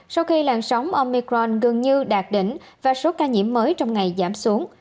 sau khi làn sóng omicron gần như đạt đỉnh và số ca nhiễm mới trong ngày giảm xuống